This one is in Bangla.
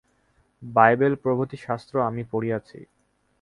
বাইবেল প্রভৃতি শাস্ত্র আমি পড়িয়াছি।